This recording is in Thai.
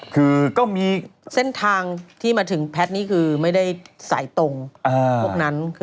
คือก็มีเส้นทางที่มาถึงแพทย์นี่คือไม่ได้สายตรงพวกนั้น